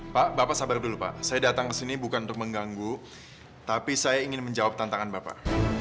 pak bapak sabar dulu pak saya datang ke sini bukan untuk mengganggu tapi saya ingin menjawab tantangan bapak